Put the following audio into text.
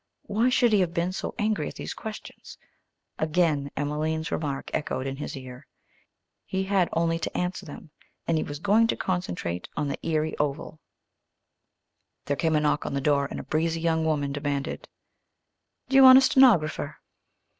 Why should he have been so angry at these questions? Again Emelene's remark echoed in his ear. He had only to answer them and he was going to concentrate on the Erie Oval! There came a knock on the door, and a breezy young woman demanded, "D'you want a stenographer?"